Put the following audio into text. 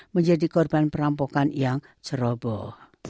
menjadi korban perampokan yang ceroboh